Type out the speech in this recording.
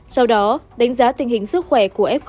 sau đó đánh giá tình hình sức khỏe của flec